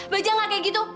baja nggak kayak gitu